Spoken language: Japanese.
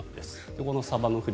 このサバの不漁